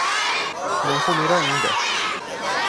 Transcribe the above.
Não comer ainda